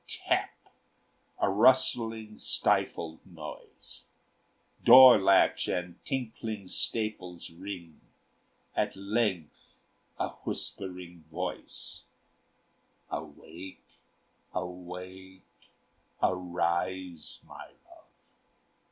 tap A rustling stifled noise; Door latch and tinkling staples ring; At length a whispering voice: "Awake, awake, arise, my love!